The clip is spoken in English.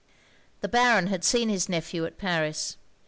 The Baron had seen his nephew at Paris.